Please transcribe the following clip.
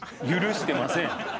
許してません。